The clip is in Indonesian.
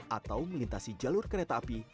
atau melintasi jalur kereta api